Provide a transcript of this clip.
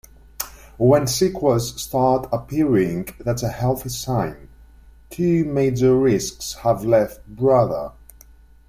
'When sequels start appearing, that's a healthy sign... Two major risks have left Brother.